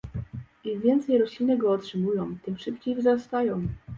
Im więcej rośliny go otrzymują, tym szybciej wzrastają